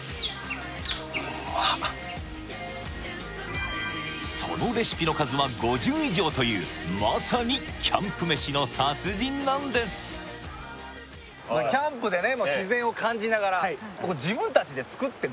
うんまっそのレシピの数は５０以上というまさにキャンプ飯の達人なんですいいねいいねいいね最高ですね